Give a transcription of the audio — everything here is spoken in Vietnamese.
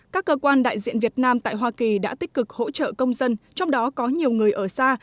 các cơ quan đại diện việt nam tại hoa kỳ đã tích cực hỗ trợ công dân trong đó có nhiều người ở xa